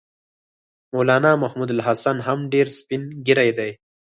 مولنا محمودالحسن هم ډېر سپین ږیری دی.